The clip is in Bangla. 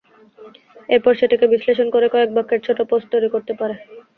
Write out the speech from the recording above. এরপর সেটিকে বিশ্লেষণ করে কয়েক বাক্যের ছোট পোস্ট তৈরি করতে পারে।